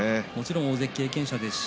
大関経験者です。